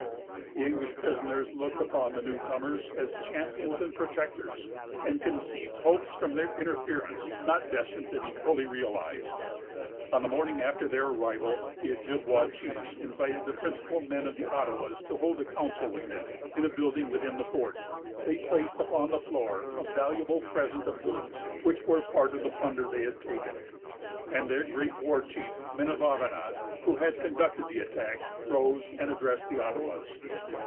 The English prisoners looked upon the new comers as champions and protectors, and conceived hopes from their interference not destined to be fully realized. On the morning after their arrival, the Ojibwa chiefs invited the principal men of the Ottawas to hold a council with them, in a building within the fort. They placed upon the floor a valuable present of goods, which were part of the plunder they had taken; and their great war chief, Minavavana, who had conducted the attack, rose and addressed the Ottawas.